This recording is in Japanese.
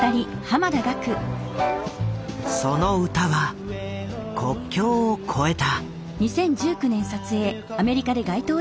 その歌は国境を超えた。